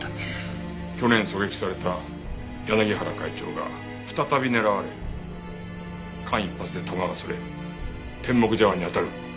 去年狙撃された柳原会長が再び狙われ間一髪で弾が逸れ天目茶碗に当たる。